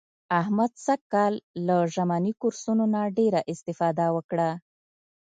احمد سږ کال له ژمني کورسونو نه ډېره اسفاده وکړه.